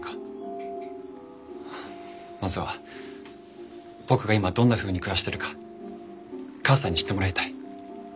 まずは僕が今どんなふうに暮らしてるか母さんに知ってもらいたい。